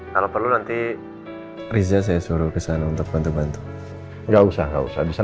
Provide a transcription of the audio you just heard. kalau perlu nanti riza saya suruh kesana untuk bantu bantu enggak usah usah bisa